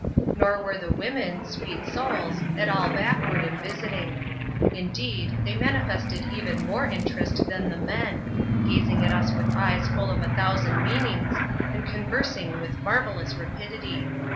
Nor were the women, sweet souls, at all backward in visiting, ndeed, they manifested even more interest than the men; azing at us with eyes full of a thousand meanings, and con ersing with marvellous rapidity.